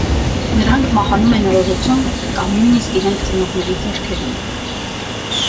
Նրանք մահանում են օրորոցում կամ նույնիսկ իրենց ծնողների ձեռքերում։